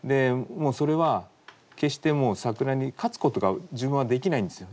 もうそれは決して桜に勝つことが自分はできないんですよ。